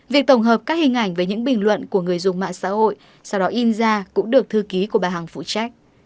việc tổng hợp các hình ảnh về những bình luận của người dùng mạng xã hội sau đó in ra cũng được thư ký của bà hằng phụ trách